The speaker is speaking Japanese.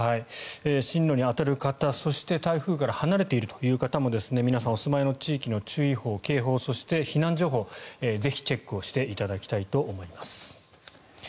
進路に当たる方、そして台風から離れているという方も皆さんお住まいの地域の注意報、警報そして、避難情報ぜひチェックをしていただきたいと思います。